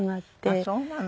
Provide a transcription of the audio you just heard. ああそうなの。